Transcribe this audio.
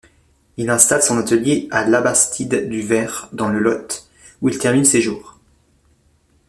Il installe son atelier à Labastide-du-Vert dans le Lot, où il termine ses jours.